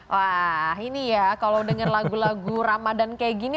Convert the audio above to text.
wah ini ya kalau denger lagu lagu ramadan kayak gini